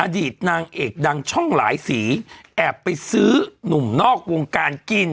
อดีตนางเอกดังช่องหลายสีแอบไปซื้อหนุ่มนอกวงการกิน